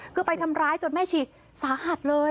คือไปทำร้ายจนแม่ชีสาหัสเลย